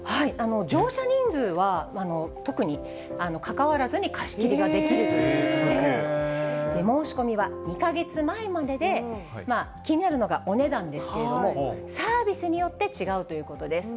乗車人数は特にかかわらずに貸し切りができるということで、申し込みは２か月前までで、気になるのがお値段ですけれども、サービスによって違うということです。